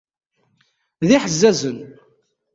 D iḥezzazen.